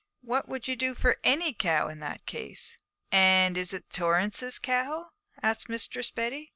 'What would you do for any cow in that case?' 'And is it Torrance's cow?' asked Mistress Betty.